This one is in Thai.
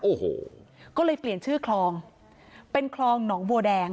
โอ้โหก็เลยเปลี่ยนชื่อคลองเป็นคลองหนองบัวแดง